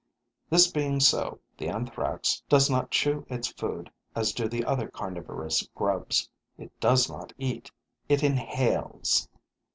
This being so, the Anthrax does not chew its food as do the other carnivorous grubs; it does not eat, it inhales.